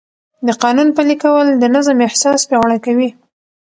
د قانون پلي کول د نظم احساس پیاوړی کوي.